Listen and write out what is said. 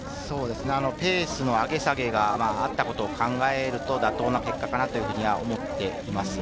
ペースの上げ下げがあったことを考えると、妥当な結果だと思います。